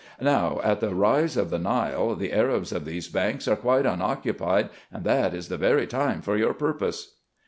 Now, at the rise of the Nile, the Arabs of these banks are quite unoccupied, and that is the very time for your purpose."